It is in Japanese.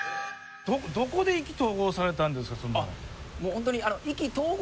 どこで意気投合されたんですか？